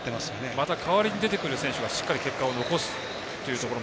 また代わりに出てくる選手がしっかり結果を残すと。